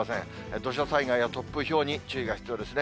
土砂災害や突風、ひょうに注意が必要ですね。